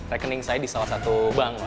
rekening saya di salah satu bank